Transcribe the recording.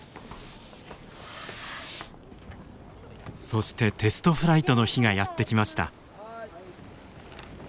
そしてテストフライトの日がやって来ました。